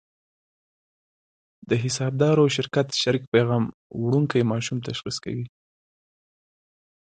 د حسابدار شرکت شریک پیغام وړونکي ماشوم تشخیص کوي.